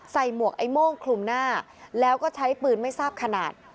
หมวกไอ้โม่งคลุมหน้าแล้วก็ใช้ปืนไม่ทราบขนาด